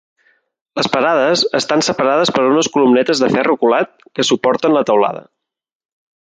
Les parades estan separades per unes columnetes de ferro colat que suporten la teulada.